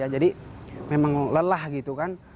jadi memang lelah gitu kan